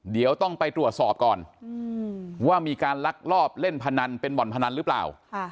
เดี๋ยวต้องไปตรวจสอบก่อนว่ามีการลักลอบเล่นพนันเป็นบ่อนพนันหรือเปล่า